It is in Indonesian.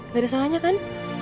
gak ada salahnya kan